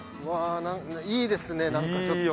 いいですねなんかちょっと。